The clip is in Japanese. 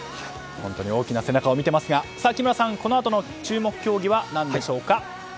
本当に大きな背中を見ていますが木村さん、このあとの注目競技は何でしょうか。